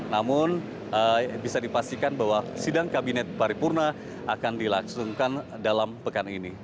namun bisa dipastikan bahwa sidang kabinet paripurna akan dilaksanakan dalam pekan ini